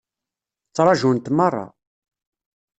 Ttṛajunt meṛṛa.